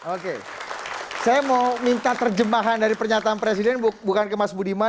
oke saya mau minta terjemahan dari pernyataan presiden bukan ke mas budiman